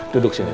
duduk sini pak